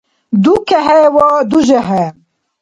ДукехӀе ва дужехӀе.